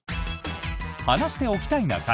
「話しておきたいな会」